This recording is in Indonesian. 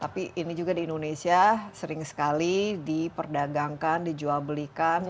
tapi ini juga di indonesia sering sekali diperdagangkan dijual belikan